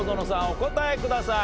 お答えください。